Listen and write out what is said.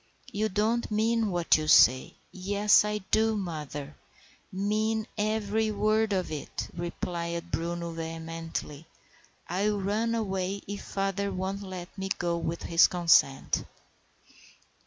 You don't mean what you say." "Yes, I do, mother—mean every word of it," replied Bruno vehemently. "I'll run away if father won't let me go with his consent."